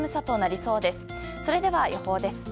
それでは予報です。